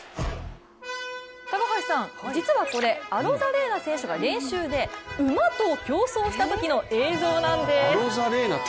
高橋さん、実はこれアロザレーナ選手が練習で馬と競走したときの映像なんです。